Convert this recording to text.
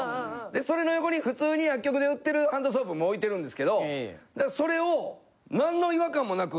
それの横に普通に薬局で売ってるハンドソープも置いてるんですけどそれをなんの違和感もなく。